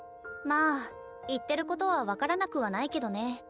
まあ言ってることは分からなくはないけどね。